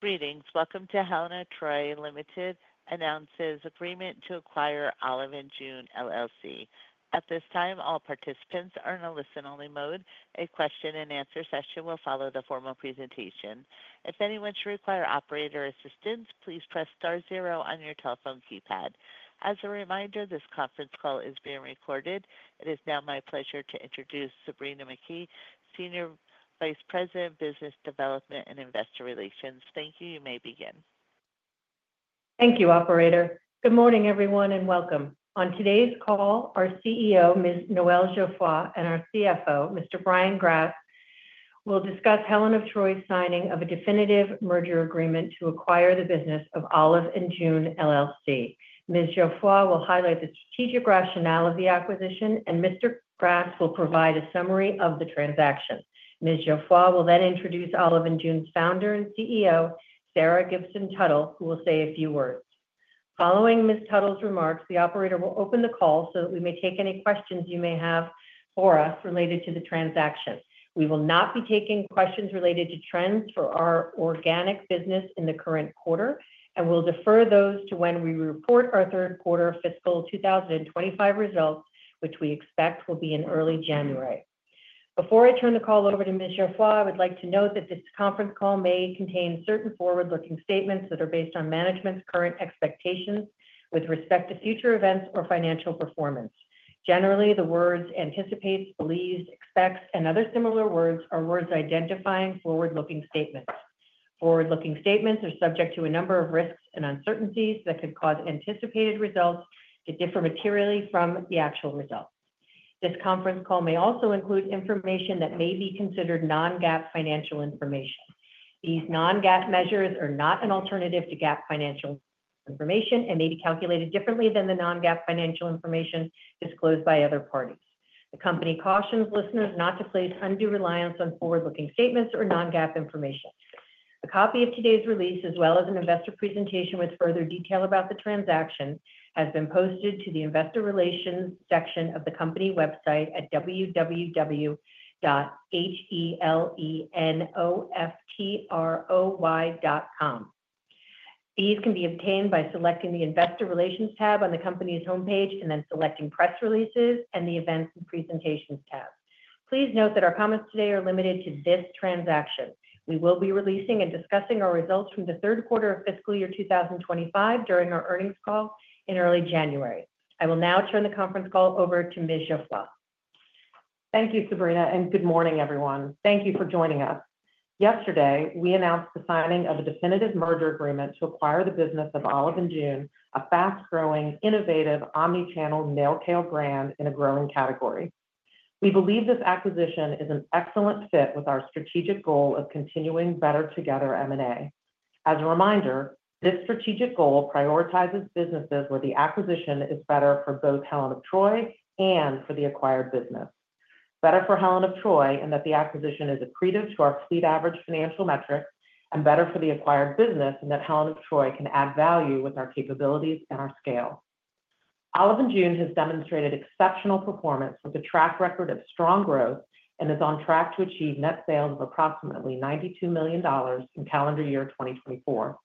Greetings. Welcome to Helen of Troy Limited announces agreement to acquire Olive & June LLC. At this time, all participants are in a listen-only mode. A question-and-answer session will follow the formal presentation. If anyone should require operator assistance, please press star zero on your telephone keypad. As a reminder, this conference call is being recorded. It is now my pleasure to introduce Sabrina McKee, Senior Vice President, Business Development and Investor Relations. Thank you. You may begin. Thank you, Operator. Good morning, everyone, and welcome. On today's call, our CEO, Ms. Noel Geoffroy, and our CFO, Mr. Brian Grass, will discuss Helen of Troy's signing of a definitive merger agreement to acquire the business of Olive & June LLC. Ms. Geoffroy will highlight the strategic rationale of the acquisition, and Mr. Grass will provide a summary of the transaction. Ms. Geoffroy will then introduce Olive & June's founder and CEO, Sarah Gibson Tuttle, who will say a few words. Following Ms. Tuttle's remarks, the Operator will open the call so that we may take any questions you may have for us related to the transaction. We will not be taking questions related to trends for our organic business in the current quarter, and we'll defer those to when we report our third quarter fiscal 2025 results, which we expect will be in early January. Before I turn the call over to Ms. Geoffroy, I would like to note that this conference call may contain certain forward-looking statements that are based on management's current expectations with respect to future events or financial performance. Generally, the words anticipates, believes, expects, and other similar words are words identifying forward-looking statements. Forward-looking statements are subject to a number of risks and uncertainties that could cause anticipated results to differ materially from the actual results. This conference call may also include information that may be considered non-GAAP financial information. These non-GAAP measures are not an alternative to GAAP financial information and may be calculated differently than the non-GAAP financial information disclosed by other parties. The Company cautions listeners not to place undue reliance on forward-looking statements or non-GAAP information. A copy of today's release, as well as an investor presentation with further detail about the transaction, has been posted to the investor relations section of the Company website at www.helenoftroy.com. These can be obtained by selecting the investor relations tab on the Company's homepage and then selecting press releases and the events and presentations tab. Please note that our comments today are limited to this transaction. We will be releasing and discussing our results from the third quarter of fiscal year 2025 during our earnings call in early January. I will now turn the conference call over to Ms. Geoffroy. Thank you, Sabrina, and good morning, everyone. Thank you for joining us. Yesterday, we announced the signing of a definitive merger agreement to acquire the business of Olive & June, a fast-growing, innovative omnichannel nail care brand in a growing category. We believe this acquisition is an excellent fit with our strategic goal of continuing Better Together M&A. As a reminder, this strategic goal prioritizes businesses where the acquisition is better for both Helen of Troy and for the acquired business. Better for Helen of Troy in that the acquisition is accretive to our fleet average financial metrics and better for the acquired business in that Helen of Troy can add value with our capabilities and our scale. Olive & June has demonstrated exceptional performance with a track record of strong growth and is on track to achieve net sales of approximately $92 million in calendar year 2024.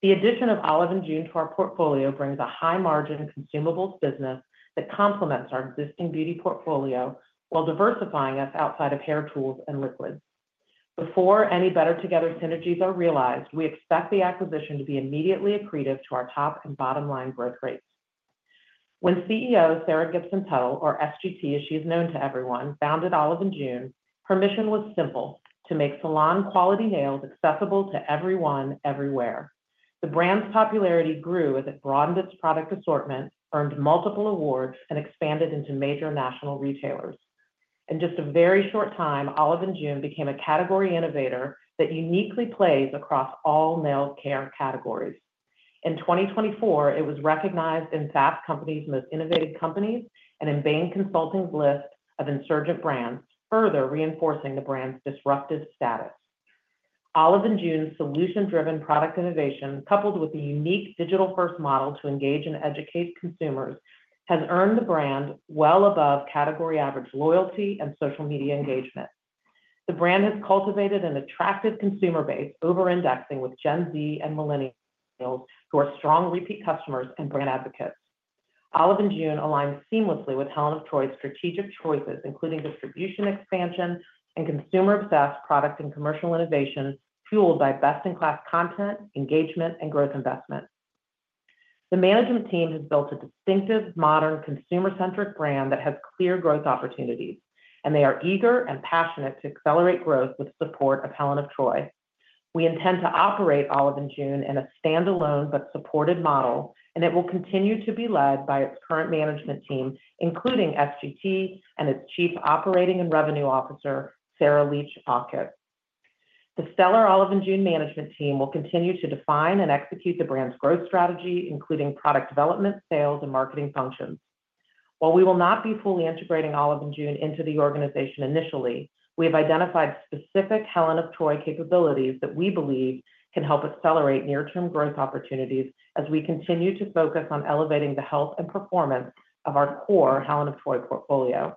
The addition of Olive & June to our portfolio brings a high-margin consumables business that complements our existing beauty portfolio while diversifying us outside of hair tools and liquids. Before any Better Together synergies are realized, we expect the acquisition to be immediately accretive to our top and bottom line growth rates. When CEO Sarah Gibson Tuttle, or SGT as she is known to everyone, founded Olive & June, her mission was simple: to make salon-quality nails accessible to everyone, everywhere. The brand's popularity grew as it broadened its product assortment, earned multiple awards, and expanded into major national retailers. In just a very short time, Olive & June became a category innovator that uniquely plays across all nail care categories. In 2024, it was recognized in Fast Company's Most Innovative Companies and in Bain & Company's list of Insurgent Brands, further reinforcing the brand's disruptive status. Olive & June's solution-driven product innovation, coupled with the unique digital-first model to engage and educate consumers, has earned the brand well above category average loyalty and social media engagement. The brand has cultivated an attractive consumer base, over-indexing with Gen Z and Millennials who are strong repeat customers and brand advocates. Olive & June aligns seamlessly with Helen of Troy's strategic choices, including distribution expansion and consumer-obsessed product and commercial innovation fueled by best-in-class content, engagement, and growth investment. The management team has built a distinctive, modern, consumer-centric brand that has clear growth opportunities, and they are eager and passionate to accelerate growth with support of Helen of Troy. We intend to operate Olive & June in a standalone but supported model, and it will continue to be led by its current management team, including SGT and its Chief Operating and Revenue Officer, Sarah Leach Hawke. The stellar Olive & June management team will continue to define and execute the brand's growth strategy, including product development, sales, and marketing functions. While we will not be fully integrating Olive & June into the organization initially, we have identified specific Helen of Troy capabilities that we believe can help accelerate near-term growth opportunities as we continue to focus on elevating the health and performance of our core Helen of Troy portfolio.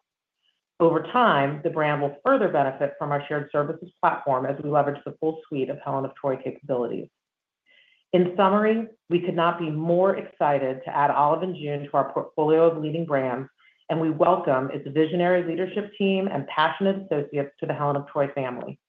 Over time, the brand will further benefit from our shared services platform as we leverage the full suite of Helen of Troy capabilities. In summary, we could not be more excited to add Olive & June to our portfolio of leading brands, and we welcome its visionary leadership team and passionate associates to the Helen of Troy family.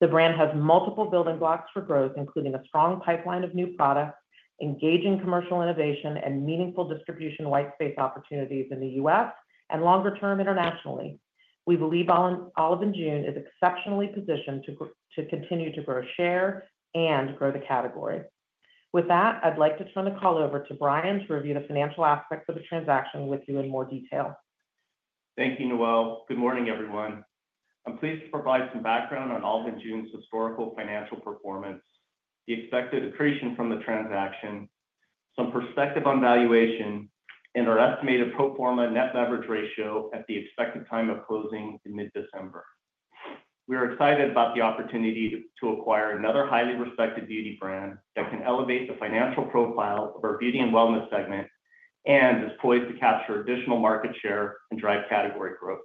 The brand has multiple building blocks for growth, including a strong pipeline of new products, engaging commercial innovation, and meaningful distribution white space opportunities in the U.S. and longer term internationally. We believe Olive & June is exceptionally positioned to continue to grow share and grow the category. With that, I'd like to turn the call over to Brian to review the financial aspects of the transaction with you in more detail. Thank you, Noel. Good morning, everyone. I'm pleased to provide some background on Olive & June's historical financial performance, the expected accretion from the transaction, some perspective on valuation, and our estimated pro forma net leverage ratio at the expected time of closing in mid-December. We are excited about the opportunity to acquire another highly respected beauty brand that can elevate the financial profile of our Beauty & Wellness segment and is poised to capture additional market share and drive category growth.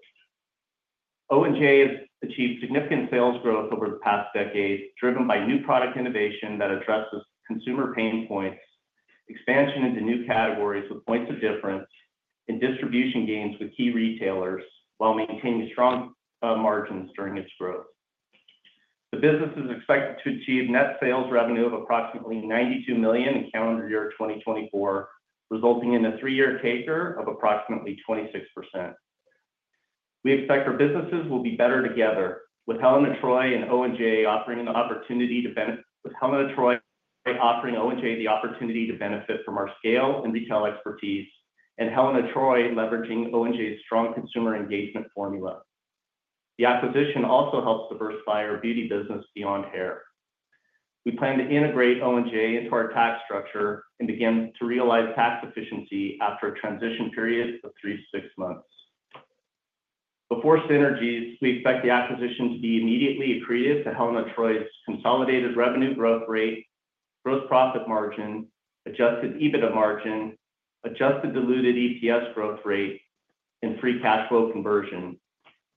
O&J has achieved significant sales growth over the past decade, driven by new product innovation that addresses consumer pain points, expansion into new categories with points of difference, and distribution gains with key retailers while maintaining strong margins during its growth. The business is expected to achieve net sales revenue of approximately $92 million in calendar year 2024, resulting in a three-year CAGR of approximately 26%. We expect our businesses will be Better Together, with Helen of Troy and O&J offering an opportunity to benefit from our scale and retail expertise, and Helen of Troy leveraging O&J's strong consumer engagement formula. The acquisition also helps diversify our beauty business beyond hair. We plan to integrate O&J into our tax structure and begin to realize tax efficiency after a transition period of three to six months. Before synergies, we expect the acquisition to be immediately accretive to Helen of Troy's consolidated revenue growth rate, gross profit margin, adjusted EBITDA margin, adjusted diluted EPS growth rate, and free cash flow conversion,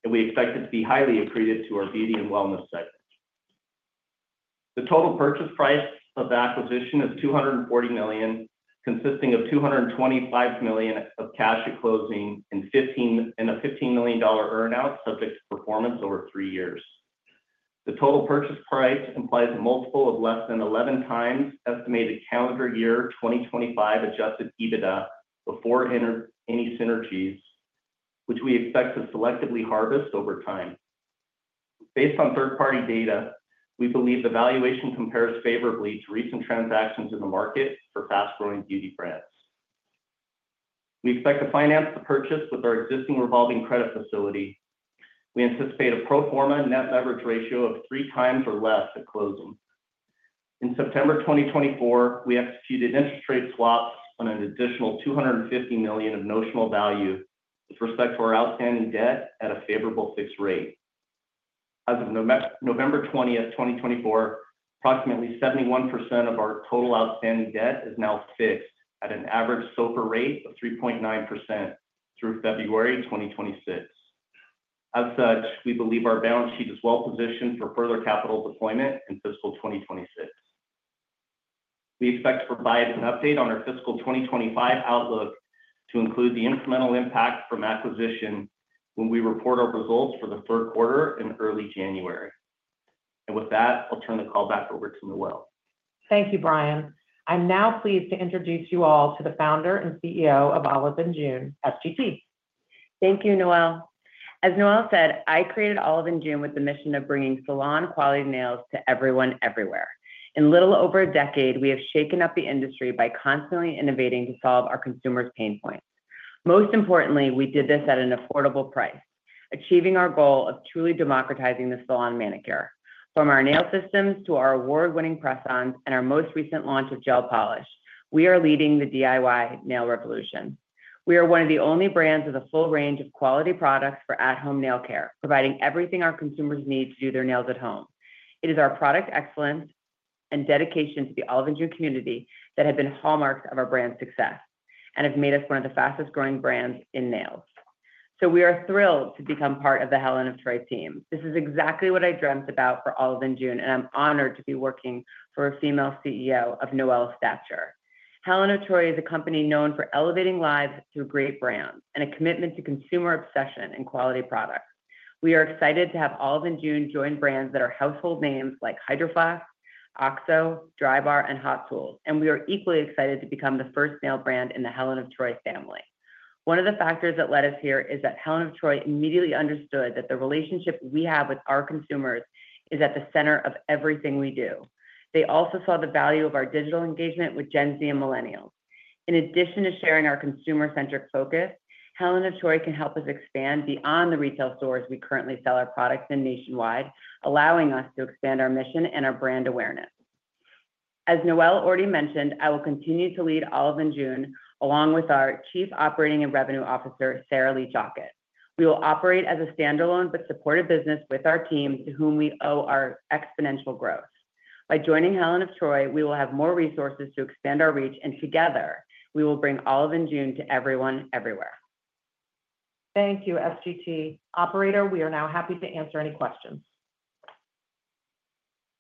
and we expect it to be highly accretive to our Beauty & Wellness segment. The total purchase price of the acquisition is $240 million, consisting of $225 million of cash at closing and a $15 million earnout subject to performance over three years. The total purchase price implies a multiple of less than 11 times estimated calendar year 2025 Adjusted EBITDA before any synergies, which we expect to selectively harvest over time. Based on third-party data, we believe the valuation compares favorably to recent transactions in the market for fast-growing beauty brands. We expect to finance the purchase with our existing revolving credit facility. We anticipate a pro forma net leverage ratio of three times or less at closing. In September 2024, we executed interest rate swaps on an additional $250 million of notional value with respect to our outstanding debt at a favorable fixed rate. As of November 20, 2024, approximately 71% of our total outstanding debt is now fixed at an average SOFR rate of 3.9% through February 2026. As such, we believe our balance sheet is well-positioned for further capital deployment in fiscal 2026. We expect to provide an update on our fiscal 2025 outlook to include the incremental impact from acquisition when we report our results for the third quarter in early January, and with that, I'll turn the call back over to Noel. Thank you, Brian. I'm now pleased to introduce you all to the founder and CEO of Olive & June, SGT. Thank you, Noel. As Noel said, I created Olive & June with the mission of bringing salon-quality nails to everyone, everywhere. In little over a decade, we have shaken up the industry by constantly innovating to solve our consumers' pain points. Most importantly, we did this at an affordable price, achieving our goal of truly democratizing the salon manicure. From our nail systems to our award-winning press-ons and our most recent launch of gel polish, we are leading the DIY nail revolution. We are one of the only brands with a full range of quality products for at-home nail care, providing everything our consumers need to do their nails at home. It is our product excellence and dedication to the Olive & June community that have been hallmarks of our brand's success and have made us one of the fastest-growing brands in nails. So we are thrilled to become part of the Helen of Troy team. This is exactly what I dreamt about for Olive & June, and I'm honored to be working for a female CEO of Noel's stature. Helen of Troy is a company known for elevating lives through great brands and a commitment to consumer obsession and quality products. We are excited to have Olive & June join brands that are household names like Hydro Flask, OXO, Drybar, and Hot Tools, and we are equally excited to become the first nail brand in the Helen of Troy family. One of the factors that led us here is that Helen of Troy immediately understood that the relationship we have with our consumers is at the center of everything we do. They also saw the value of our digital engagement with Gen Z and Millennials. In addition to sharing our consumer-centric focus, Helen of Troy can help us expand beyond the retail stores we currently sell our products in nationwide, allowing us to expand our mission and our brand awareness. As Noel already mentioned, I will continue to lead Olive & June along with our Chief Operating and Revenue Officer, Sarah Leach Hawke. We will operate as a standalone but supported business with our team to whom we owe our exponential growth. By joining Helen of Troy, we will have more resources to expand our reach, and together, we will bring Olive & June to everyone, everywhere. Thank you, SGT. Operator, we are now happy to answer any questions.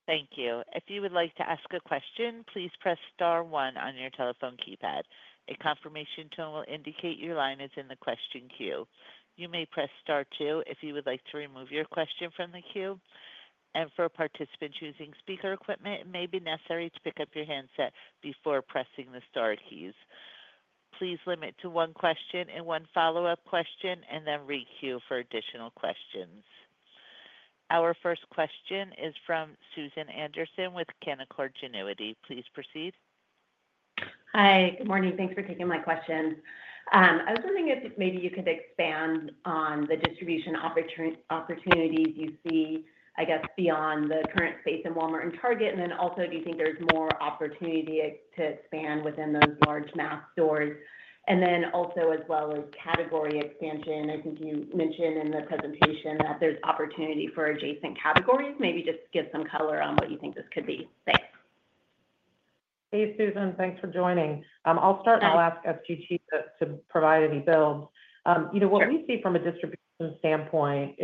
Thank you. If you would like to ask a question, please press star one on your telephone keypad. A confirmation tone will indicate your line is in the question queue. You may press star two if you would like to remove your question from the queue. And for a participant choosing speaker equipment, it may be necessary to pick up your handset before pressing the star keys. Please limit to one question and one follow-up question, and then requeue for additional questions. Our first question is from Susan Anderson with Canaccord Genuity. Please proceed. Hi, good morning. Thanks for taking my question. I was wondering if maybe you could expand on the distribution opportunities you see, I guess, beyond the current space in Walmart and Target. And then also, do you think there's more opportunity to expand within those large mass stores? And then also, as well as category expansion, I think you mentioned in the presentation that there's opportunity for adjacent categories. Maybe just give some color on what you think this could be. Thanks. Hey, Susan. Thanks for joining. I'll start and I'll ask SGT to provide any builds. What we see from a distribution standpoint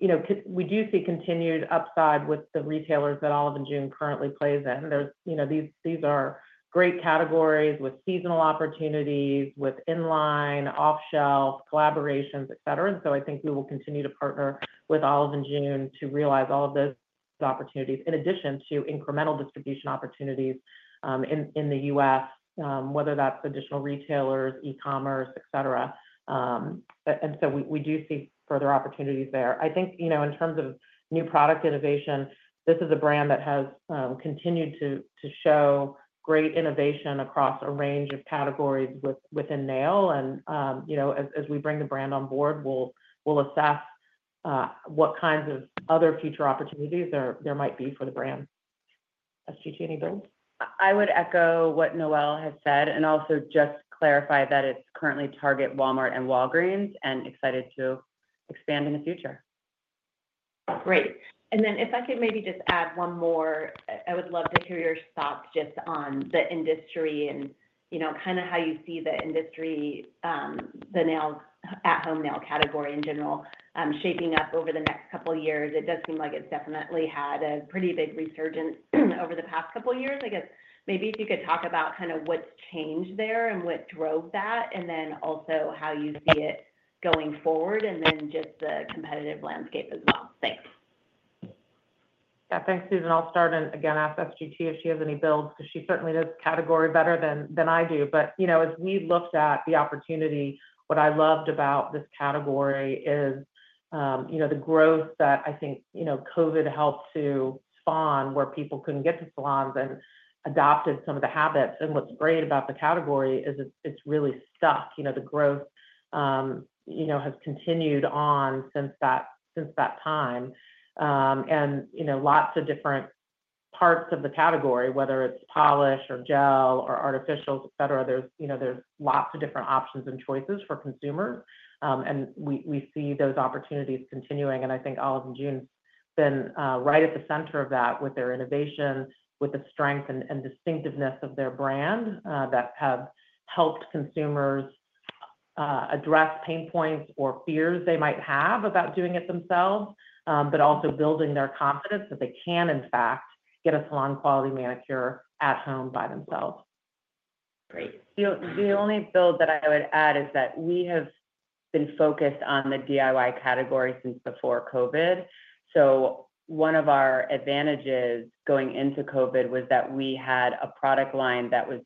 is we do see continued upside with the retailers that Olive & June currently plays in. These are great categories with seasonal opportunities, with inline, off-shelf, collaborations, etc. And so I think we will continue to partner with Olive & June to realize all of those opportunities, in addition to incremental distribution opportunities in the U.S., whether that's additional retailers, e-commerce, etc. And so we do see further opportunities there. I think in terms of new product innovation, this is a brand that has continued to show great innovation across a range of categories within nail. And as we bring the brand on board, we'll assess what kinds of other future opportunities there might be for the brand. SGT, any builds? I would echo what Noel has said and also just clarify that it's currently Target, Walmart, and Walgreens, and excited to expand in the future. Great. And then if I could maybe just add one more, I would love to hear your thoughts just on the industry and kind of how you see the industry, the at-home nail category in general, shaping up over the next couple of years. It does seem like it's definitely had a pretty big resurgence over the past couple of years. I guess maybe if you could talk about kind of what's changed there and what drove that, and then also how you see it going forward, and then just the competitive landscape as well. Thanks. Yeah, thanks, Susan. I'll start and again ask SGT if she has any bullets because she certainly knows the category better than I do, but as we looked at the opportunity, what I loved about this category is the growth that I think COVID helped to spawn, where people couldn't get to salons and adopted some of the habits, and what's great about the category is it's really stuck. The growth has continued on since that time, and lots of different parts of the category, whether it's polish or gel or artificials, etc., there's lots of different options and choices for consumers, and we see those opportunities continuing. I think Olive & June's been right at the center of that with their innovation, with the strength and distinctiveness of their brand that have helped consumers address pain points or fears they might have about doing it themselves, but also building their confidence that they can, in fact, get a salon-quality manicure at home by themselves. Great. The only build that I would add is that we have been focused on the DIY category since before COVID. One of our advantages going into COVID was that we had a product line that was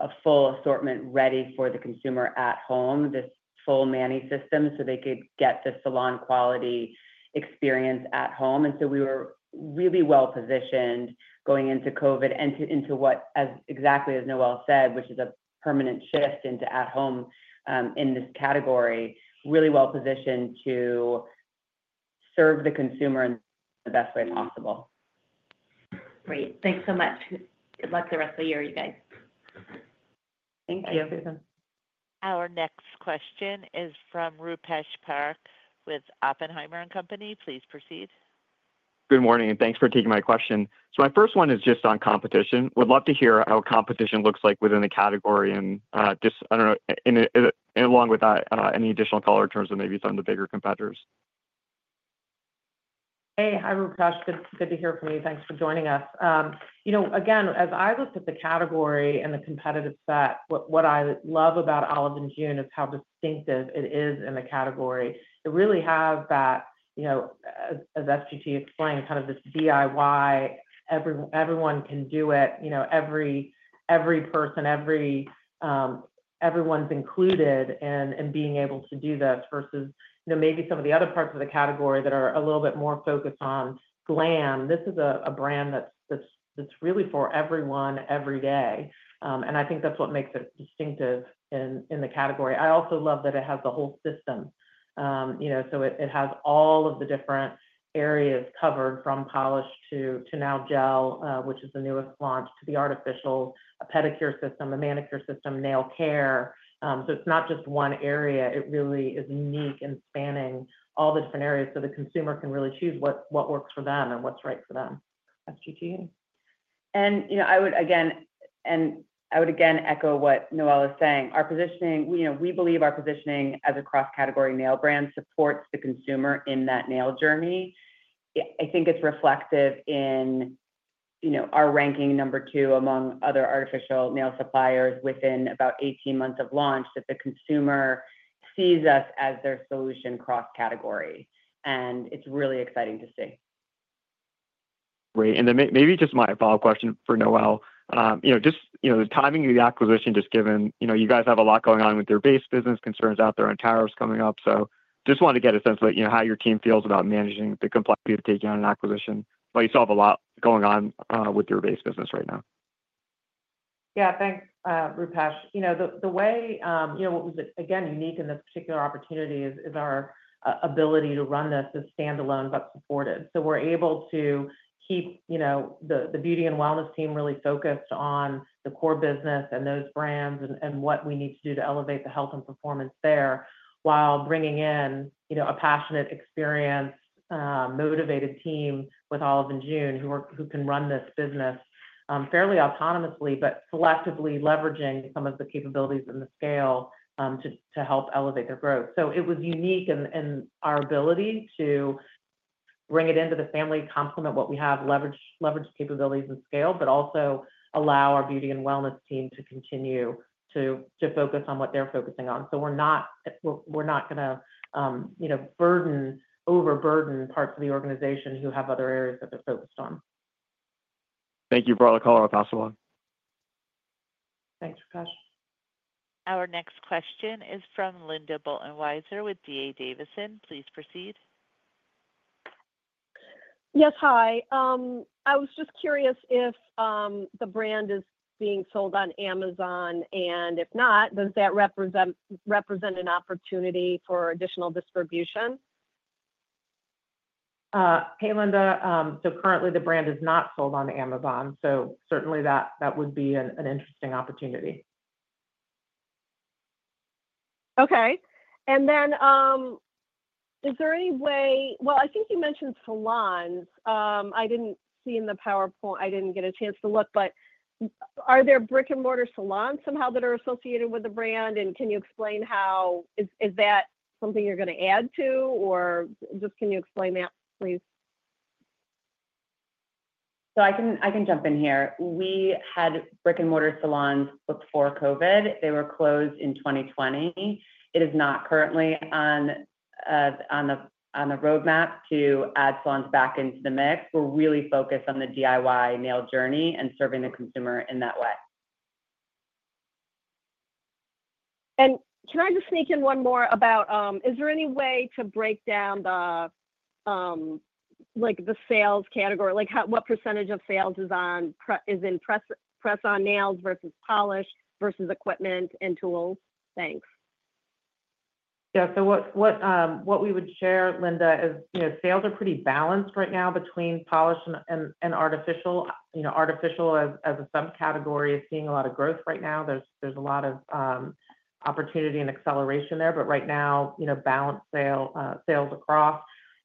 a full assortment ready for the consumer at home, this full Mani System so they could get the salon-quality experience at home. We were really well-positioned going into COVID and into what exactly as Noel said, which is a permanent shift into at-home in this category, really well-positioned to serve the consumer in the best way possible. Great. Thanks so much. Good luck the rest of the year, you guys. Thank you. Thank you, Susan. Our next question is from Rupesh Parikh with Oppenheimer & Company. Please proceed. Good morning. Thanks for taking my question. So my first one is just on competition. Would love to hear how competition looks like within the category and just, I don't know, along with any additional color terms that maybe some of the bigger competitors. Hey, hi Rupesh. Good to hear from you. Thanks for joining us. Again, as I looked at the category and the competitive set, what I love about Olive & June is how distinctive it is in the category. It really has that, as SGT explained, kind of this DIY. Everyone can do it. Every person, everyone's included in being able to do this versus maybe some of the other parts of the category that are a little bit more focused on glam. This is a brand that's really for everyone every day. And I think that's what makes it distinctive in the category. I also love that it has the whole system. So it has all of the different areas covered from polish to now gel, which is the newest launch, to the artificial, a pedicure system, a manicure system, nail care. So it's not just one area. It really is unique and spanning all the different areas so the consumer can really choose what works for them and what's right for them. SGT. I would again echo what Noel is saying. We believe our positioning as a cross-category nail brand supports the consumer in that nail journey. I think it's reflective in our ranking number two among other artificial nail suppliers within about 18 months of launch that the consumer sees us as their solution cross-category. It's really exciting to see. Great, and then maybe just my follow-up question for Noel. Just the timing of the acquisition, just given you guys have a lot going on with your base business, concerns out there on tariffs coming up, so just wanted to get a sense of how your team feels about managing the complexity of taking on an acquisition. You saw a lot going on with your base business right now. Yeah, thanks, Rupesh. The way what was, again, unique in this particular opportunity is our ability to run this as standalone but supported. So we're able to keep the Beauty & Wellness team really focused on the core business and those brands and what we need to do to elevate the health and performance there while bringing in a passionate, experienced, motivated team with Olive & June who can run this business fairly autonomously but selectively leveraging some of the capabilities and the scale to help elevate their growth. So it was unique in our ability to bring it into the family, complement what we have, leverage capabilities and scale, but also allow our Beauty and Wellness team to continue to focus on what they're focusing on. So we're not going to overburden parts of the organization who have other areas that they're focused on. Thank you. Broader color if possible. Thanks, Rupesh. Our next question is from Linda Bolton Weiser with D.A. Davidson. Please proceed. Yes, hi. I was just curious if the brand is being sold on Amazon, and if not, does that represent an opportunity for additional distribution? Hey, Linda. So currently, the brand is not sold on Amazon. So certainly, that would be an interesting opportunity. Okay. And then, is there any way? Well, I think you mentioned salons. I didn't see in the PowerPoint. I didn't get a chance to look. But are there brick-and-mortar salons somehow that are associated with the brand? And can you explain how? Is that something you're going to add to, or just can you explain that, please? So I can jump in here. We had brick-and-mortar salons before COVID. They were closed in 2020. It is not currently on the roadmap to add salons back into the mix. We're really focused on the DIY nail journey and serving the consumer in that way. And can I just sneak in one more about is there any way to break down the sales category? What percentage of sales is in press-on nails versus polish versus equipment and tools? Thanks. Yeah. So what we would share, Linda, is sales are pretty balanced right now between polish and artificial. Artificial as a subcategory is seeing a lot of growth right now. There's a lot of opportunity and acceleration there. But right now, balanced sales across.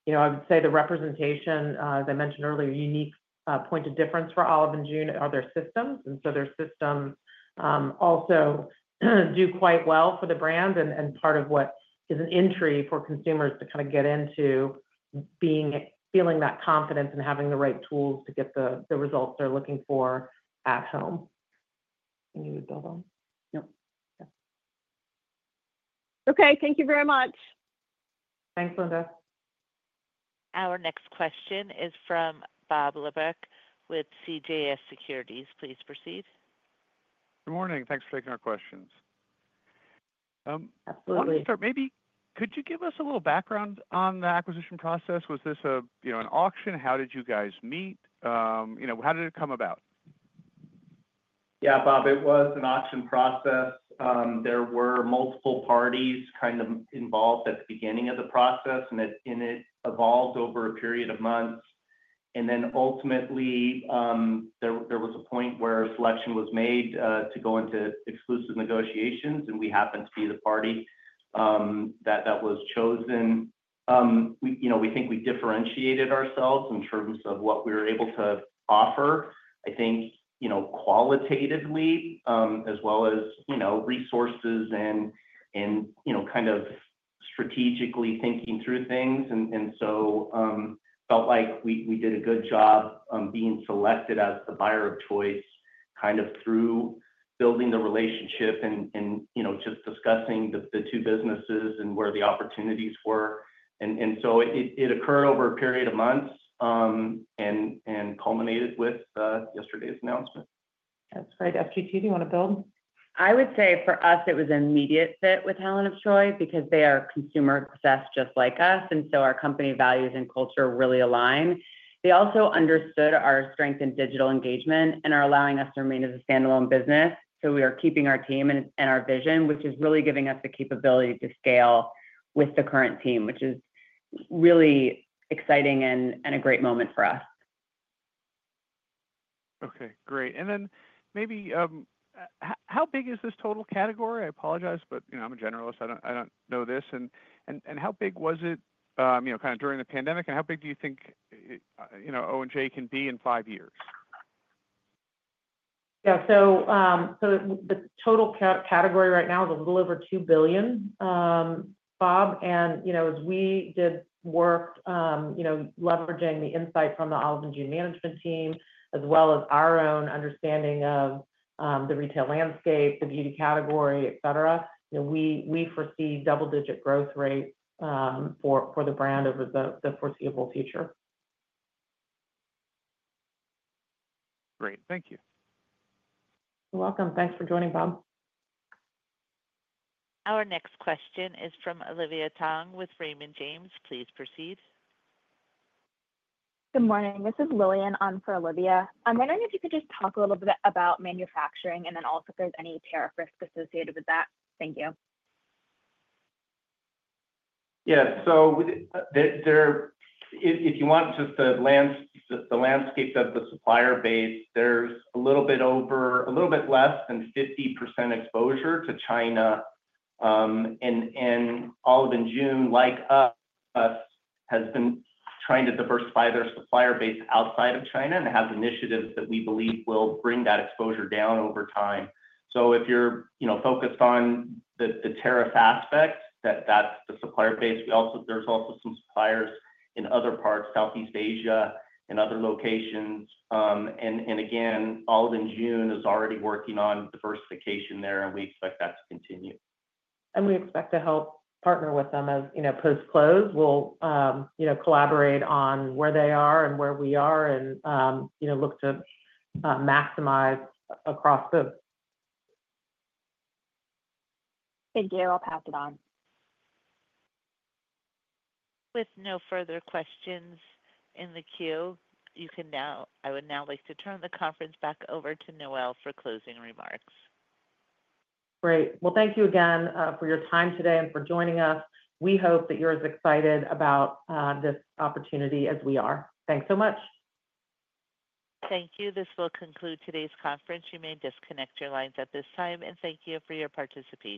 I would say the representation, as I mentioned earlier, unique point of difference for Olive & June are their systems. And so their systems also do quite well for the brand and part of what is an entry for consumers to kind of get into feeling that confidence and having the right tools to get the results they're looking for at home. And you would build on. Yep. Okay. Thank you very much. Thanks, Linda. Our next question is from Bob Labick with CJS Securities. Please proceed. Good morning. Thanks for taking our questions. Absolutely. I'll just start. Maybe could you give us a little background on the acquisition process? Was this an auction? How did you guys meet? How did it come about? Yeah, Bob, it was an auction process. There were multiple parties kind of involved at the beginning of the process, and it evolved over a period of months, and then ultimately, there was a point where selection was made to go into exclusive negotiations, and we happened to be the party that was chosen. We think we differentiated ourselves in terms of what we were able to offer, I think, qualitatively, as well as resources and kind of strategically thinking through things, and so felt like we did a good job being selected as the buyer of choice kind of through building the relationship and just discussing the two businesses and where the opportunities were, and so it occurred over a period of months and culminated with yesterday's announcement. That's great. SGT, do you want to build? I would say for us, it was an immediate fit with Helen of Troy because they are consumer-obsessed just like us. And so our company values and culture really align. They also understood our strength in digital engagement and are allowing us to remain as a standalone business. So we are keeping our team and our vision, which is really giving us the capability to scale with the current team, which is really exciting and a great moment for us. Okay. Great. And then maybe how big is this total category? I apologize, but I'm a generalist. I don't know this. And how big was it kind of during the pandemic? And how big do you think O&J can be in five years? Yeah, so the total category right now is a little over $2 billion, Bob, and as we did work leveraging the insight from the Olive & June management team, as well as our own understanding of the retail landscape, the beauty category, etc., we foresee double-digit growth rates for the brand over the foreseeable future. Great. Thank you. You're welcome. Thanks for joining, Bob. Our next question is from Olivia Tong with Raymond James. Please proceed. Good morning. This is Lillian on for Olivia. I'm wondering if you could just talk a little bit about manufacturing and then also if there's any tariff risk associated with that. Thank you. Yeah. So if you want just the landscape of the supplier base, there's a little bit over a little bit less than 50% exposure to China. And Olive & June, like us, has been trying to diversify their supplier base outside of China and has initiatives that we believe will bring that exposure down over time. So if you're focused on the tariff aspect, that's the supplier base. There's also some suppliers in other parts, Southeast Asia, in other locations. And again, Olive & June is already working on diversification there, and we expect that to continue. We expect to help partner with them as post-close. We'll collaborate on where they are and where we are and look to maximize across the. Thank you. I'll pass it on. With no further questions in the queue, I would now like to turn the conference back over to Noel for closing remarks. Great. Well, thank you again for your time today and for joining us. We hope that you're as excited about this opportunity as we are. Thanks so much. Thank you. This will conclude today's conference. You may disconnect your lines at this time, and thank you for your participation.